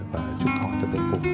và chúc họ